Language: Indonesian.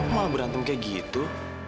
malah berantem kayak gitu